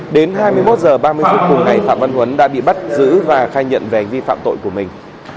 đến hai mươi một h ba mươi phút cùng ngày phạm văn huấn đã bị bắt giữ và khai nhận về hành vi phạm tội của mình